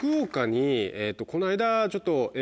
この間ちょっと。